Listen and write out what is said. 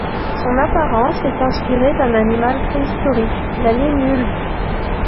Son apparence est inspirée d'un animal préhistorique, la limule.